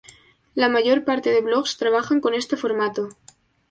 La mayor parte de blogs trabajan con este formato.